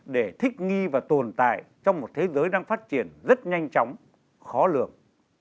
để thích nghi và tồn tại trong một thế giới đang phát triển rất nhanh chóng khó lường